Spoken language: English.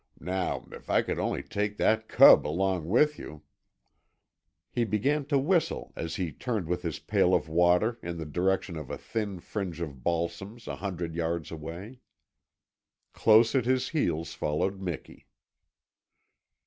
Now, if I could only take that cub along with you " He began to whistle as he turned with his pail of water in the direction of a thin fringe of balsams a hundred yards away. Close at his heels followed Miki.